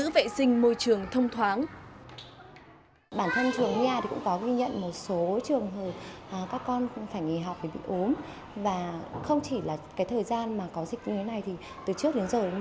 vệ sinh cho các con trong đó